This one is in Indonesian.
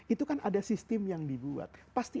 itu kan ada sistem yang dibuat pasti